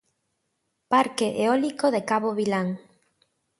Parque eólico de Cabo Vilán.